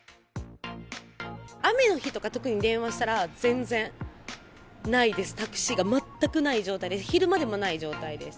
雨の日とか特に電話したら、全然ないです、タクシーが全くない状態で、昼間でもない状態です。